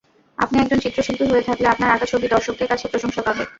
আপনি একজন চিত্রশিল্পী হয়ে থাকলে আপনার আঁকা ছবি দর্শকদের কাছে প্রশংসা পাবে।